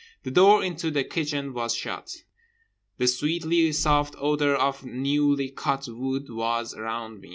The door into the kitchen was shut. The sweetly soft odour of newly cut wood was around me.